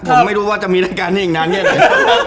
ผมไม่รู้ว่าจะมีรายการนี้อีกนานแค่ไหน